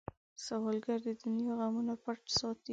سوالګر د دنیا غمونه پټ ساتي